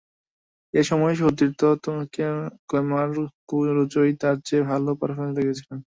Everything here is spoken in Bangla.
এ সময়ে সতীর্থ কেমার রোচই তাঁর চেয়ে ভালো পারফরম্যান্স দেখিয়েছেন।